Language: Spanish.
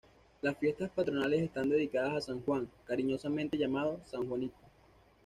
Las fiestas patronales están dedicadas a San Juan, cariñosamente llamado San Juanico.